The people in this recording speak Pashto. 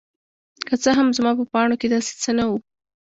که څه هم زما په پاڼو کې داسې څه نه وو.